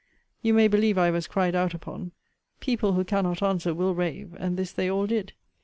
You may believe I was cried out upon. People who cannot answer, will rave: and this they all did.